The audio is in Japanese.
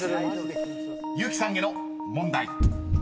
［結木さんへの問題］